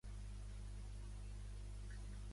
Torna a esquilar les ovelles de l'Antoni.